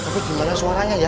tapi gimana suaranya ya